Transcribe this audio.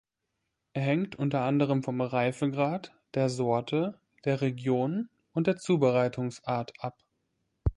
Er hängt unter anderem vom Reifegrad, der Sorte, der Region und der Zubereitungsart ab.